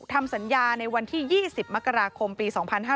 ทำสัญญาในวันที่๒๐มกราคมปี๒๕๕๙